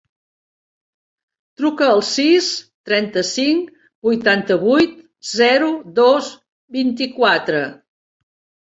Truca al sis, trenta-cinc, vuitanta-vuit, zero, dos, vint-i-quatre.